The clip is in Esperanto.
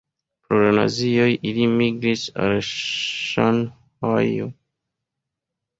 Pro la nazioj ili migris al Ŝanhajo.